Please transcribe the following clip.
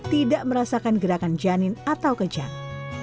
tidak merasakan gerakan janin atau kejang